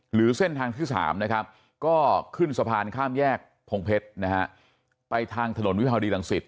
หรือเส้นทางที่๓ก็ขึ้นสะพานข้ามแยกพงเพชรไปทางถนนวิพาวดีหลังศิษย์